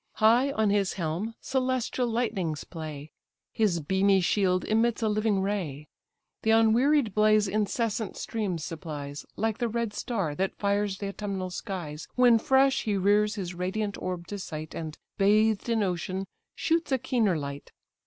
High on his helm celestial lightnings play, His beamy shield emits a living ray; The unwearied blaze incessant streams supplies, Like the red star that fires the autumnal skies, When fresh he rears his radiant orb to sight, And, bathed in ocean, shoots a keener light.